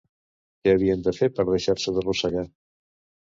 Què havien de fer per deixar-se d'arrossegar?